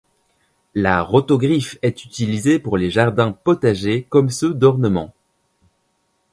La rotogriffe est utilisée pour les jardins potagers comme ceux d'ornements.